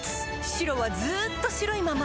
白はずっと白いまま